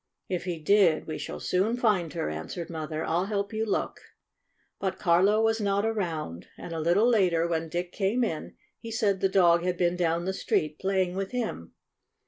"If he did we shall soon find her," an swered Mother. " I 'll help you look. '' But Carlo was not around, and, a little later, when Dick came in, he said the dog had been down the street, playing with him.